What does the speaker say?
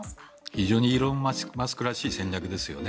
非常にイーロン・マスクらしい戦略ですよね。